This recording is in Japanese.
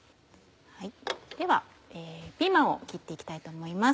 ではピーマンを切って行きたいと思います。